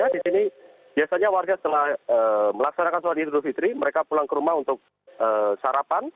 di sini biasanya warga setelah melaksanakan sholat idul fitri mereka pulang ke rumah untuk sarapan